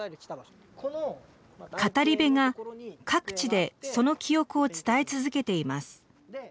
語り部が各地でその記憶を伝え続けています。